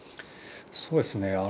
そうですね。